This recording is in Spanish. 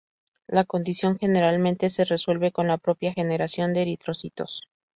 La condición generalmente se resuelve con la propia generación de eritrocitos.